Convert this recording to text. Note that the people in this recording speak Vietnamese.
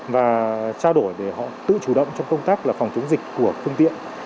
và trao đổi để họ tự chủ động trong công tác là phòng chống dịch của phương tiện